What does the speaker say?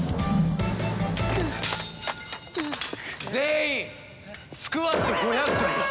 全員スクワット５００回だ！